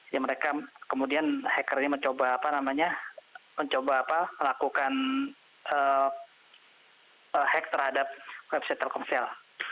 jadi mereka kemudian hacker ini mencoba melakukan hack terhadap website telkomsel